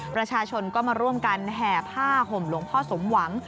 ประชาชนก็มาร่วมกันแห่ผ้าห่มหลวงพ่อสมหวัง